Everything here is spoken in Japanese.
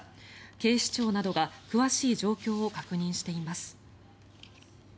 警視庁などが詳しい状況を確認しています。